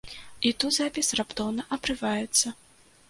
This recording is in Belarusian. І тут запіс раптоўна абрываецца.